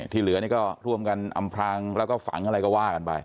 ที่เหลือนี่ก็ร่วมกันอำพลางแล้วก็ฝังอะไรก็ว่ากันไป